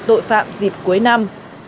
tội phạm dịp cuối năm